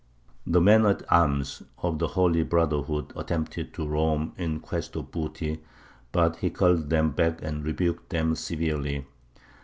The men at arms of the Holy Brotherhood attempted to roam in quest of booty; but he called them back and rebuked them severely.